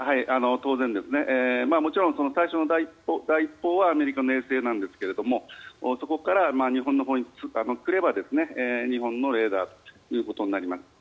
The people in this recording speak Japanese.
当然、もちろん最初の第１報はアメリカの衛星なんですがそこから日本のほうに来れば日本のレーダーということになります。